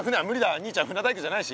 兄ちゃん船大工じゃないし。